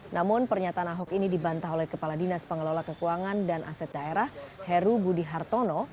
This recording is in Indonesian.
namun pernyataan ahok ini dibantah oleh kepala dinas pengelola kekuangan dan aset daerah heru budi hartono